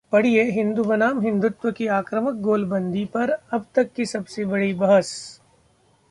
पढ़िए हिंदू बनाम हिंदुत्व की आक्रामक गोलबंदी पर अब तक की सबसे बड़ी बहस